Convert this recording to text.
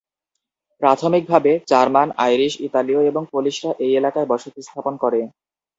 প্রাথমিকভাবে, German, Irish, ইতালীয় এবং পোলিশরা এই এলাকায় বসতি স্থাপন করে।